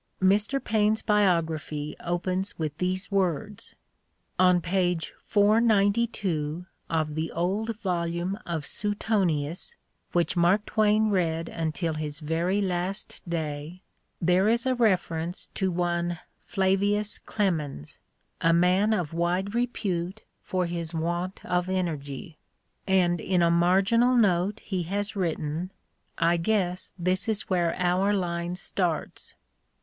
Mr. Paine 's biography opens with these words: "On page 492 of the old volume of Seutonius, which Mark Twain read until his very last day, there is a reference to one Flavius Clemens, a man of wide repute 'for his want of energy,' and in a marginal note he has written :' I guess this is where our line starts.'